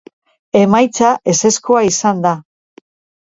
Emaitza ezezkoa izan da.